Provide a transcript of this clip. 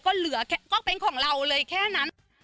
ก็เหลือก็เป็นของเราเลยแค่นั้น